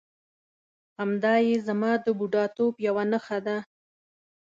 همدایې زما د بوډاتوب یوه نښه ده.